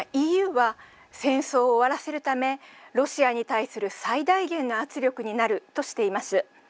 ＥＵは、戦争を終わらせるためロシアに対する最大限の圧力になるとしています。